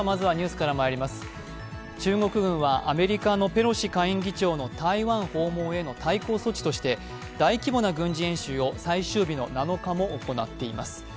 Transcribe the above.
中国軍はアメリカのペロシ下院議長の台湾訪問への対抗措置として大規模な軍事演習を最終日の７日も行っています。